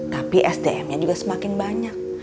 tapi sdmnya juga semakin banyak